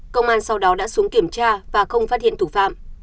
công an sau đó đã xuống kiểm tra và không phát hiện thủ phạm